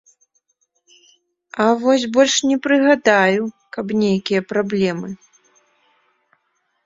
А вось больш не прыгадаю, каб нейкія праблемы.